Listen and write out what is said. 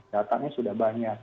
datanya sudah banyak